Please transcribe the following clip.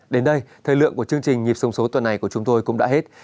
đến đây thời lượng của chương trình nhịp sông số tuần này của chúng tôi cũng đã hết